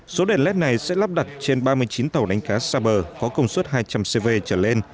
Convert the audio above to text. số đèn led này sẽ lắp đặt trên ba mươi chín tàu đánh cá xa bờ có công suất hai trăm linh cv trở lên